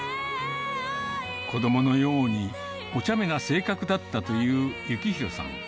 子どものようにおちゃめな性格だったという幸弘さん。